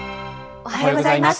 おはようございます。